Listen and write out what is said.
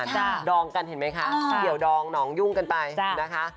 น้องของคุณสงการดองกันเห็นไหมคะเดี๋ยวดองน้องยุ่งกันไปนะคะ